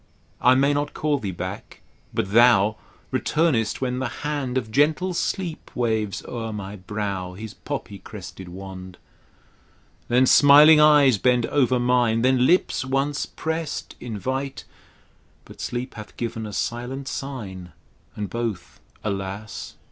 I may not call thee back ; but thou Returnest when the hand Of gentle Sleep waves o'er my brow His poppy crested wand ; Then smiling eyes bend over mine, Then lips once prest invite ; But Sleep hath given a silent sign And both, alas